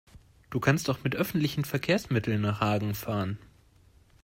Du kannst doch mit öffentlichen Verkehrsmitteln nach Hagen fahren